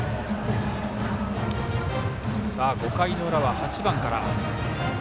５回の裏は８番から。